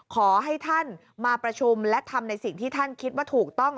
ขอให้ท่านมาประชุมและทำในสิ่งที่ท่านคิดว่าถูกต้อง